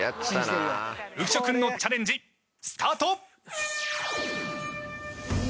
浮所君のチャレンジスタート。